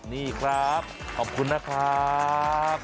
นี่ครับขอบคุณนะครับ